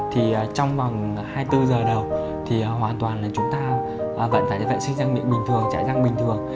thì trong vòng hai mươi bốn h đầu thì hoàn toàn là chúng ta vẫn phải vệ sinh răng miệng bình thường chảy răng bình thường